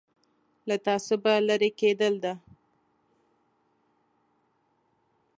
له تعصبه لرې کېدل ده.